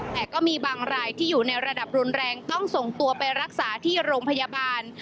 แต่ก็มีบางรายที่อยู่ในระดับรุนแรงต้องส่งตัวไปรักษาที่โรงพยาบาล